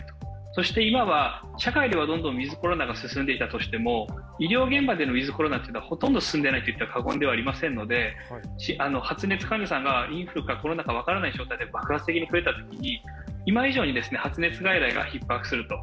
そして今、社会ではウィズ・コロナが進んでいても医療現場でのウィズ・コロナはほとんど進んでいないのが実態ですので発熱患者さんがインフルかコロナか分からない状態で爆発的に増えたときに、今以上に発熱外来がひっ迫すると。